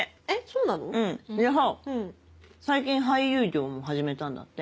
うんでさ最近俳優業も始めたんだって。